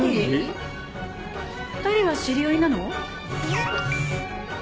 ２人は知り合いなの？